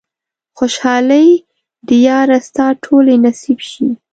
خوشحالۍ دې ياره ستا ټولې نصيب شي